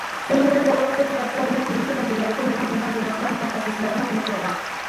شۇنىڭ بىلەن بىر ۋاقىتتا كىتابتا يەنە كېيىنكى مەزگىللەردىكى نۇرغۇن ئىنسانشۇناسلىق مۇتەخەسسىسلىرىمۇ تونۇشتۇرۇلغان.